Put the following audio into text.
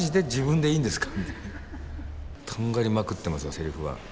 とんがりまくってますよセリフは。